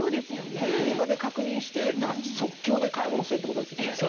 売り場で確認して、即興で買い物するってことですよね。